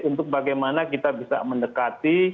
untuk bagaimana kita bisa mendekati